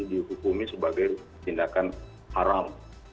dihukumi sebagai tindakan haram